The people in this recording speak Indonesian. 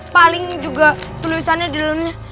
paling juga tulisannya di dalamnya